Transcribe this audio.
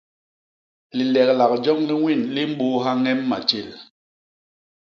Lileglak joñ li ñwin li mbôôha ñem matjél.